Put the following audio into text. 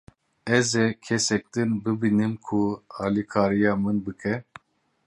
Ez ê kesek din bibînim ku alîkariya min bike.